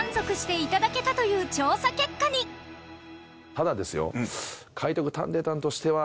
ただですよ。